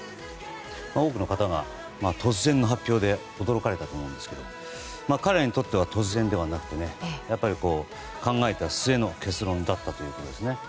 多くの方が突然の発表で驚かれたと思うんですが彼らにとっては突然ではなくて考えた末の結論だったということです。